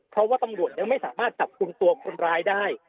เพราะว่าตำรวจยังไม่สามารถจับกลุ่มตัวคนร้ายได้